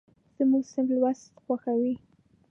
زموږ صنف لوست خوښوي.